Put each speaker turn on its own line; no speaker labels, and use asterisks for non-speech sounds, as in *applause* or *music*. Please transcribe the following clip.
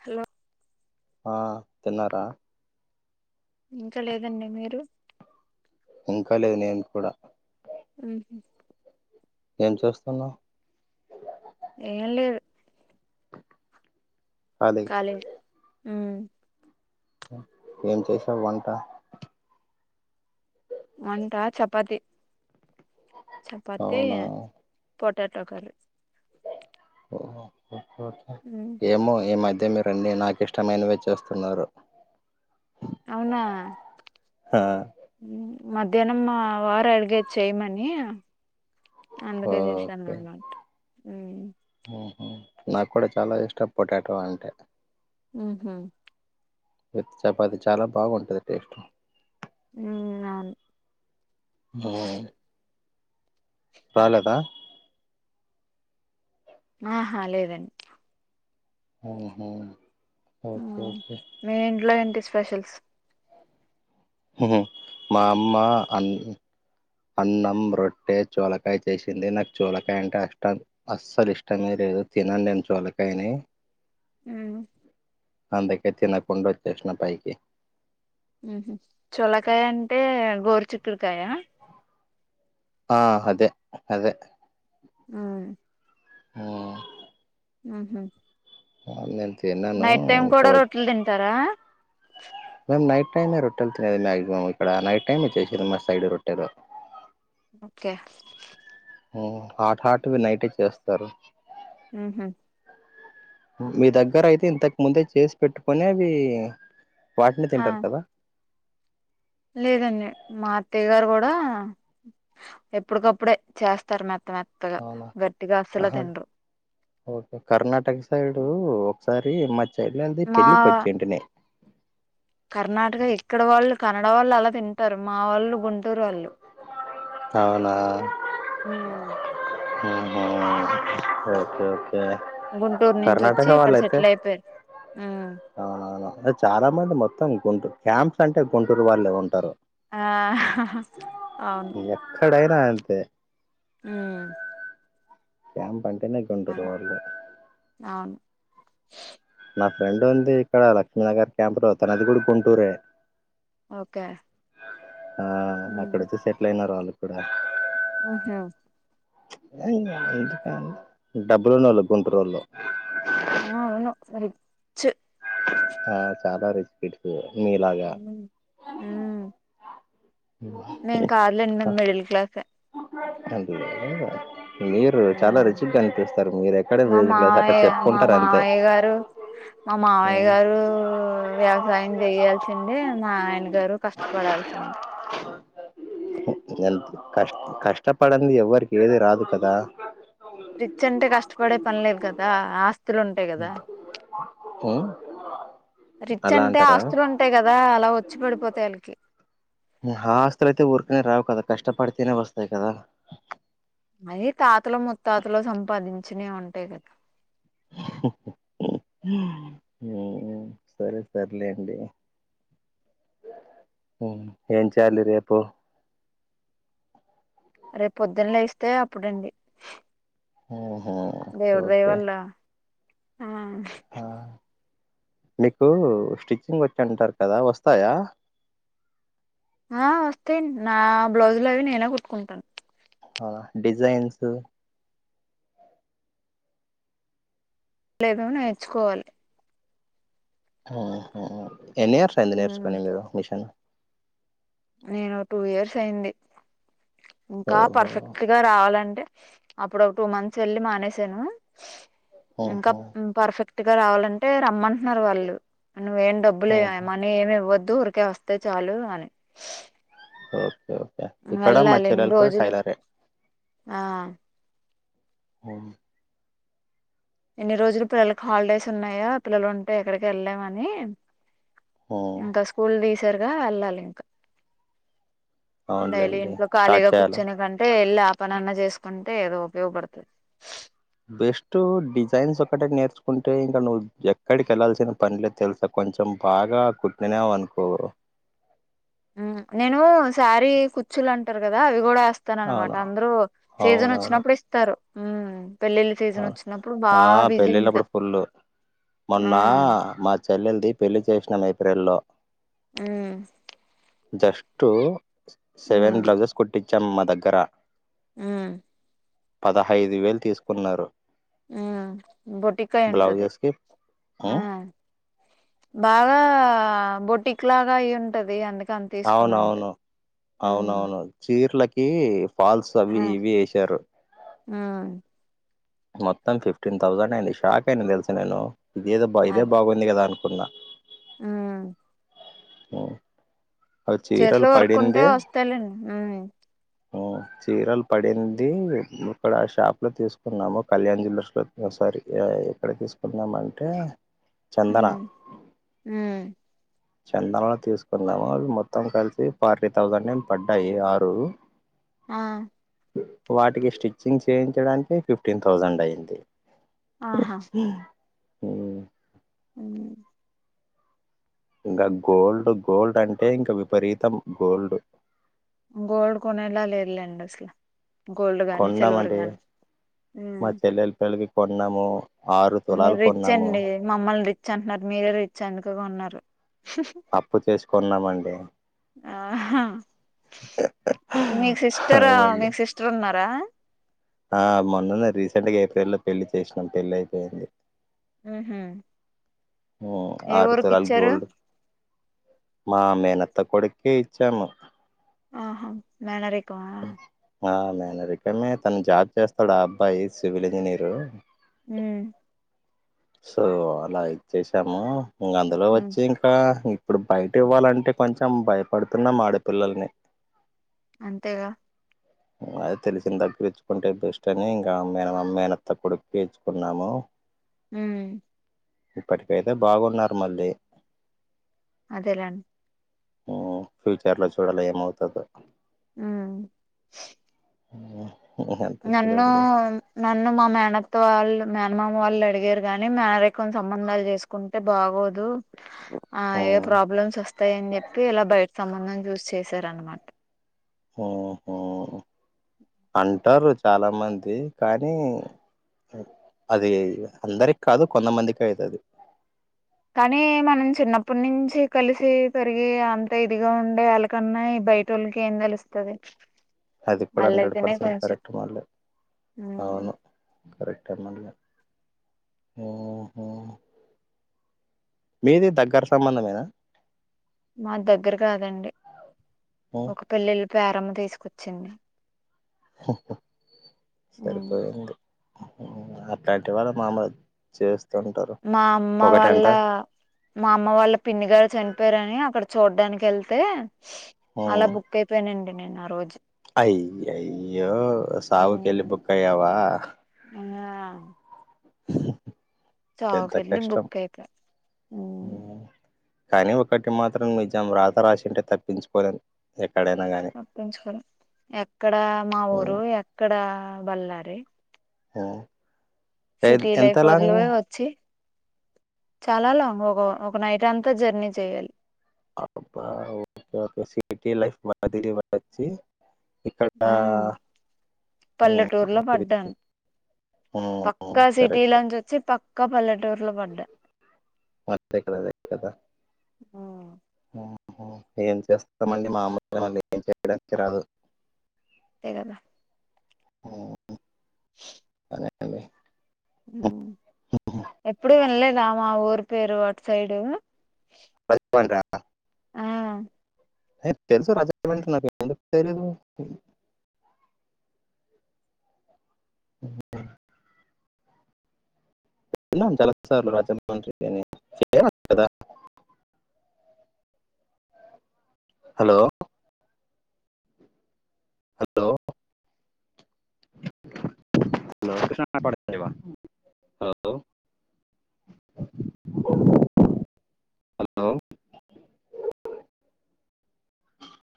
Hello
ఆ తిన్నారా
ఇంకా లేదండి మీరు
ఇంకా లేదు నేను కూడా
అ
ఏం చేూస్తున్నావు్
ఏం లేదు
ఖాళీ
కాాల
ఏం చేసా వంట
వంట చపాతి చపాతిీ
అవునా
పొటాటోకాలు
ఓ
ఉమ్
ఏమ ఏ మా అయితే మీరు అన్ని నాకు ఇష్టమైనవిే చేస్తున్నారు
అవునా
ఆ
మధ్యాహ్నం వారం అడిగేది చేయమని అందుకే చేశాను
ఓకే
అన్నమాట
ఉహు నాకు కూడా చాలా ఇష్టం పొటాటో అంటే
ఉహు
చపాతి చాలా బాగుంటుంది
ఉమ్ అవును
ఆ రాలేదా?
ఆహా లేదండి.
ఆహా
మీ ఇంట్లో ఏంటి స్పెషల్స్?
ఉహ్ మా అమ్మ అన్ అన్నం, రొట్టె, చోలకాయ చేసింది నాకు చూలకాయ అంటే అష్ట అస్సలు ఇష్టమే లేదు దు తినను నేను చోలకాయని
ఉమ్
అందుకే తినకుండా వచ్చేసిన పైకి
ఉ చోలకాయ అంటే గోరుచుక్కుడుకాయ?
ఆ అదే అదే
ఆ
ఆ
ఆహ
ఆ నేన్ తిన్నాను, ఇంకా వచ్
రొట్టెలు తింటారా
మేం నైట్ టైమే రొట్టెలు తినేది మాక్సిమం, ఇక్కడ నైట్ టైమ్ వచ్చేసింది మా సైడురొట్టెలు
ఓకే
హాట్ హాట్ గా నైటె చేస్తారు.
ఉహు
మీ దగ్గర అయితే ఇంతకు ముందే చేసి పెట్టుకొనవి వాటిని
హా
తింటారు కదా?
లేదండి మా అత్తయ్య గారు కూడా ఎప్పుడుకప్పుడే చేస్తారు మా మెత్త మెత్తగా
అవునా
గట్టిగా అస్సలు
ఆహా
తినరు
ఓకే కర్ణాటక సైడు ఒకసారి మా చెల్లెది
మా
పెళ్ళికి వచ్చింటిని
కర్ణాటక ఇక్కడ వాళ్ళు కన్నడ వాళ్ళు అలా తింటారు, మా వోళ్ళు గుంటూరు ఓళ్ళు
అవునా
ఉమ్
ఉహు ఓకే ఓకే
గుంటూరు నుంచి వచ్చి
కర్ణాటక
ఇక్కడ సెటిల్ అయిపోయిరు ఉమ్
ఆహా అవును చాలా మంది మొత్తం గుంటూరు క్యాంప్స్ అంటే గుంటూరు వాళ్ళే ఉంటారు
ఆహాహా అవున్
కుడా అంతే
ఉమ్
క్యాంప్ అంటేనే గుంటూరు
అన్
వాళ్ళు
అవును
నా ఫ్రెండ్ ఉంది ఇక్కడ లక్ష్మీనగర్ క్యాంప్ లో తనది కూడా గుంటూరే.
ఓకే
ఆ అక్కడ వచ్చి సెటిల్ అయినారు వాళ్ళు ఇప్పుడు
ఆహా
డబ్బులున్నోళ్ళు గుంటూరోళ్ళు
చ్
ఆ చాలా రిచ్ కిడ్స్ మీలాగా
ఉమ్ మేము కాదులెండి, మేమ్ మిడిల్ క్లాసె
త లేదు మీరు చాలా
ఉమ్
రిచిక్గా కనిపిస్తారు మీరు ఎక్కడ
మా
మ్యూజక్ క్లాస్ అట్ట
మావయ్య మా
చెప్పుకుంటారు అంతే
మావయ్య గారు మా మావయ్య
ఉమ్.
గారు వ్యవసాయం చేయల్సిందే మా ఆయన గారు కష్టపడాల్సింది
ఎంత కష్ట కష్టపడంది ఎవరికి ఏది రాదు కదా
రిచ్ అంటే కష్టపడే పనిలేదు కదా ఆ
ఉ
రిచ్ అంటే ఆస్తులు ఉంటాయి కదా అలా వచ్చి పడిపోతాయి వాళ్ళకి
ఆస్తులు అయితే ఊరికనే రావు కదా కష్టపడితేనే వస్తాయి కదా
అయి తాతల ముత్తాతలో సంపాదించినవి ఉంటాయి కదా
ఉ సరే సర్లేండి ఏం చేయాలి రేపు
రేపొద్దున్న లేేస్తే అప్పుడండి
ఉ
దేవుడు దైవల్ల
ఆ మీకు స్టిచ్చింగ్ వచ్చు అంటారు కదా వస్తాయా
ఆ వస్తాయి నా బ్లౌజ్లు అవి నేనే కుట్టుకుంటాను
ఆ డిజైన్స్
లేదు నేర్చుకోవాలి
ఎన్ని ఇయర్స్ అయింది నేర్చుకొని మీరు మిషన్
నేను టూ ఇయర్స్ అయింది. ఇంకా
ఓహో
పర్ఫెక్ట్ గా రావాలంటే అప్పుడు ఒక టూ మంత్స్ వెళ్ళి మానేసాను ఇంకా
ఉహు
పర్ఫెక్ట్ గా రావాలంటే రమ్మంటున్నారు వాళ్ళు నువ్వే ఏం డబ్బులు
ఉహు
మనీ ఏమి ఇవ్వద్దు ఊరికే వస్తే చాలు అన
ఓకే ఓకే ఇక్కడ మా
వెళ్ళాలి ఎన్ని
చెల్లలు కూడా
రోజులు
టైలరే
ఆ
హ
ఎన్ని రోజులు పిల్లలకి హాలిడేస్ ఉన్నాయా పిల్లలు ఉంటే ఎక్కడికి వెళ్ళామని
ఉమ్
ఇంకా స్కూల్ తీసారుగా వెళ్ళాలి ఇంకా డైలీ
అవునులేండి
ఇంట్లో
స్టార్ట్
ఖాళీగా
చేయాలా
కూర్చని కంటే ఇలా ఆపనన్న చేసుకుంటే ఏదో ఉపయోగపడుతది
బెస్ట్ డిజైన్స్ ఒకటి నేర్చుకుంటే ఇంకా నువ్వు ఎక్కడికి వెళ్ళాల్సిన పనిలే తెలుసా కొంచెం బాగా కుట్టినవ అనుకో
నేను సారీ కుచులం రు కదా అవి కూడా వేస్తాన అనమాట
అవును
అందరూ సీజన్
అవునవును
వచ్చినప్పుడు ఇస్తారు పెళ్లిళ్ళ సీజన్
అవును
వచ్చినప్పుడు బా బిజీ ఉంటా ఆ
మన్న మా చెల్లెది పెళ్లి చేసినాను ఏప్రిల్లో
ఉ
జస్ట్ సెవెన్ బ్లౌజెస్ కుట్టించాం మా దగ్గర
ఉ
పదహైదు వేలు తీసుకున్నారు
ఉ బొటిక్ అయి ఉంటది
బ్లౌజెస్ కి
ఆ
ఉమ్,
బాగా బొటిక్ లాగా అయి ఉంటది అందుక అంత తీసుకుని ఉంటది
అవునవును
మ్మ్
అవునవును చీరలకి ఫాల్స్ అవి ఇవి ఏసారు
ఆ
మొత్తం ఫిఫ్టీన్ థౌసండ్ అయింది షాక్ అయినా తెలుసు నేను ఇదేదో బ ఇదే బాగుంది కదా అనుకున్నా
ఆ
అ చీరలు
చేతిలో వర్క్ ఉంటే
పడిందే
వస్తాయిలేండి మ్మ్
ఆ చీరలు పడింది ఇక్కడ షాప్ లో తీసుకున్నాము కళ్యాణ్ జూలర్స్ లో సారి ఏ ఏక్కడ తీసుకుందామంటే
హ హ
చందంలో తీసుకుందాము అవి మొత్తం కలిసి ఫార్టీ థౌజండ్ ఏం పడ్డాయి ఆరు
ఆ
వాటికి స్టిచ్చింగ్ చేయించడానికి ఫిఫ్టీన్ థౌజండ్ అయింది
ఆహా
ఉ
ఉ
ఇంకా గోల్డ్ గోల్డ్ అంటే ఇంకా విపరీతం గోల్డ్
గోల్డ్ కొనేలా లేదు లేండి అసలు గోల్డ్ గాని సిల్వర్
కొన్నామండి
గాని ఉమ్
మా చెల్లెల పెళ్లికి కొన్నాము ఆరు
మీరు
తులాలు
రిచ్
కొన్నాము
అండి మా మమ్మల్ని రిచ్ అంటున్నారు మీరే రిచ్ అందుకే కొన్నారు
అప్పు చేసి కొన్నామండి
ఆహ మీ సిస్టర్ ఆ మీ
మళ్ళీ
సిస్టర్ ఉన్నారా
ఆ మొన్నన్న రీసెంట్ గా ఏప్రిల్ లో పెళ్లి చేసినాం పెళ్లి అయిపోయింది
ఆహా
ఊ ఆరు తులాలు గోల్డ్ మా మేనత్త కొడుకే ఇచ్చాము
ఆహా మేనరికం
ఆ మేనరికమే తను జాబ్ చేస్తాడు ఆ అబ్బాయి సివిల్ ఇంజనీరు
హ
సో అలా ఇచ్చేసాము అందులో
ఉమ్
వచ్చి ఇంకా ఇప్పుడు బయట ఇవ్వాలంటే కొంచెం భయపడుతున్నాం ఆడపిల్లల్ని
అంతేగా
*inaudible* అది తెలిసిన దగ్గర తెచ్చుకుంటే బెస్ట్ అని ఇంకా మేనమా మేనత్త కొడుకే ఇచ్చుకున్నాము
హ
ఇప్పటికైతే బాగున్నారు మళ్ళీ
అదే లే
ఫ్యూచర్ లో చూడాల ఏమవుతదో
ఆ
అంతే
నన్ను
చూడండి
నన్ను మా మేనత్త వాళ్ళు మేనమామ వాళ్ళు అడిగారు కానీ మాది కొంచెం మందాలు చేసుకుంటే బాగోదు ఆ ఏ ప్రాబ్లమ్స్ వస్తాయని చెప్పి ఇలా బయట సంబంధం చూస్ చేసార అనమాట
ఆహ అంటారు చాలా మంది కానీ అది అందరికి కాదు కొంతమందికి అయితది
కానీ మనం చిన్నప్పటి నుంచి కలిసి పెరిగి అంత ఇదిగా ఉండే వాళ్ళకన్నా బైటోల్లకి ఏం తెలుస్తుది
అది కూడా హండ్రెడ్ పర్సెంట్ కరెక్ట్ వాళ్ళే
ఉమ్
అవును కరెక్ట్ అన్నానులే ఓహో మీది దగ్గర సంబంధమేనా
మా దగ్గర కాదండి
ఉమ్,
ఒక పెళ్ల్లిళ ద్వరమ తీసుకొచ్చింది ఉమ్
సరిపోయింది అట్లాంటి వాళ్ళ మామలుగా చేస్త
మా అమ్మ వాళ్ళ మా అమ్మ వాళ్ళ పిన్ని గారు చనిపోయారని అక్కడ చూడడానికి వెళ్తే అలా బుక్ అయిపోయినండి నేను ఆ రోజు
అయ్య అయ్యో సావుకిలి
ఉమ్
బుక్కయ్యవా
ఆ
పెద్ద
చావుకెళ్ళి
కష్టం
బుక్ అయిపోయా ఉమ్
కానీ ఒకటి మాత్రం నిజం రాత రాసిింటే తప్పించుకోలేను
ప్పంచుకోాల ఎక్కడ మా
ఉమ్
ఊరు ఎక్కడ బల్ళారి
ఆ
సిటీ లైఫ్ వొదలే వచ్చి చాలా లాంగ్ ఒక ఒక నైట్ అంతా జర్నీ చేయాలి
అబాటీఫ మాది మ
ఆ
ఉమ్
పల్లెటూరులో పడ్డాను
ఉమ్
పక్కా
కరెక్ట్
సిటీలోంచి వచ్చి పక్కా పల్లెటూరులో పడ్డా
క్కడ కద
ఉ
ఏం చేస్తామండి మామలుగా మళ్ళీ ఏం చేయడానికి రాదు
స కదా
ఆ అే
ఎప్పుడు వినలేదమా ఊరు పేరు అటు సైడు ఆ
అ తెలుసు రాజా తెలుదు ఉ చాలాార్లు రాజమ కదా హలో హలో హలో కష్ణ పడవా హలో హలో